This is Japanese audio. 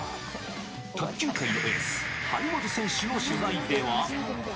卓球界のエース、張本選手の取材では。